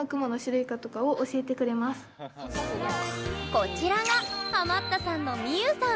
こちらがハマったさんの、みゆさん！